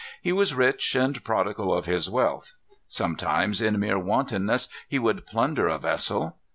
He was rich, and prodigal of his wealth. Sometimes, in mere wantonness, he would plunder a vessel.